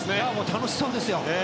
楽しそうですよ。